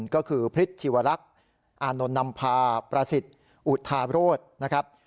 ก็คือพฤษชีวรักษ์อานนท์นำพาประสิทธิ์อุทาโรธนะครับ